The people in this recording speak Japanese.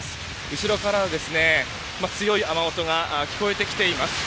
後ろからも強い雨音が聞こえてきています。